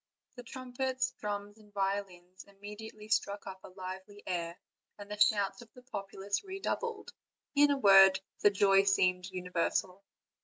The trumpets, drums, and violins immediately struck up a lively air, and the shouts of the populace redoubled; in a word, the joy seemed universal.